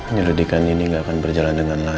nyuruh dikandung akan berjalan dengan baik